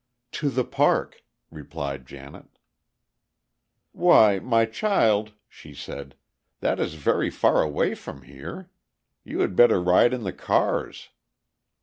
"To the park," replied Janet. "Why, my child," she said, "that is very far away from here. You had better ride in the cars."